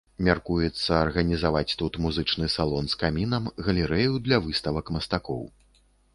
Мяркуецца арганізаваць тут музычны салон з камінам, галерэю для выставак мастакоў.